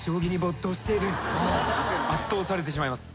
圧倒されてしまいます。